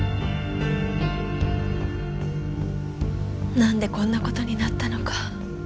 なんでこんな事になったのか。